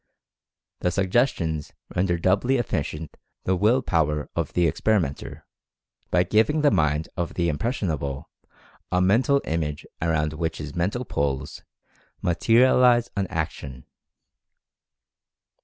The Sug gestions render doubly efficient the Will Power of the experimenter, by giving the mind of the "im pressionable" a mental image around which his Men tal Poles materialize an action.